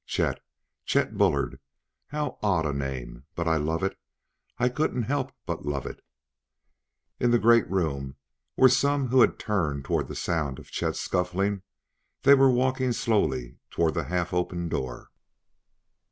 "Chet Chet Bullard! How odd a name! But I love it I couldn't help but love it." In the great room were some who had turned toward the sound of Chet's scuffling; they were walking slowly toward the half opened door.